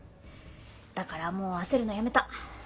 だからもう焦るのやめた。